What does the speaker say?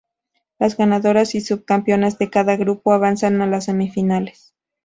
Las ganadoras y subcampeonas de cada grupo avanzan a las semifinales.